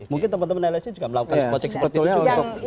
mungkin teman teman lsi juga melakukan seperti itu